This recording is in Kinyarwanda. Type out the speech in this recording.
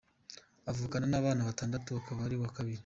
Avukana n’abana batandatu akaba ari uwa kabiri.